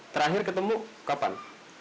terakhir ketemu kapan